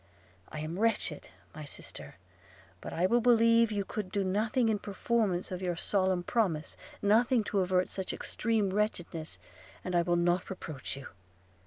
I am wretched, my sister; but I will believe you could do nothing in performance of your solemn promise, nothing to avert such extreme wretchedness, and I will not reproach you.'